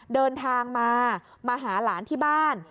เดินทางมามาหาหลานที่บ้าน